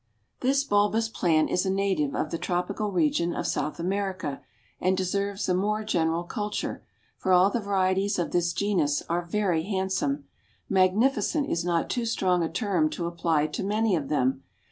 This bulbous plant is a native of the tropical region of South America, and deserves a more general culture, for all the varieties of this genus are very handsome, magnificent is not too strong a term to apply to many of them.